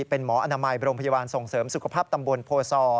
เป็นหมออนามัยโรงพยาบาลส่งเสริมสุขภาพตำบลโพซอ